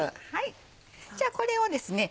じゃあこれをですね。